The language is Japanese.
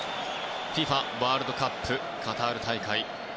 ＦＩＦＡワールドカップカタール大会。